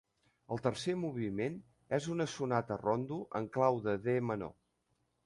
El tercer moviment és una sonata-rondo en clau de D menor.